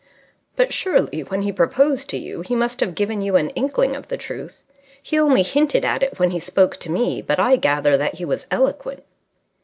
"But surely, when he proposed to you, he must have given you an inkling of the truth. He only hinted at it when he spoke to me, but I gather that he was eloquent."